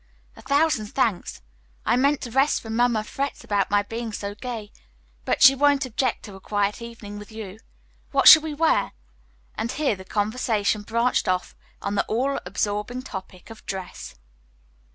"A thousand thanks. I meant to rest, for Mamma frets about my being so gay; but she won't object to a quiet evening with you. What shall we wear?" And here the conversation branched off on the all absorbing topic of dress.